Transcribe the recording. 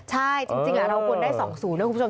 ใช่จริงอะเรากวนได้สองศูนย์นะคุณผู้ชม